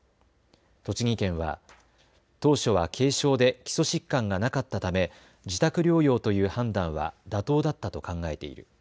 栃木県は当初は軽症で基礎疾患がなかったため自宅療養という判断は妥当だったと考えている。